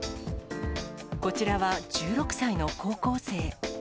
こちらは、１６歳の高校生。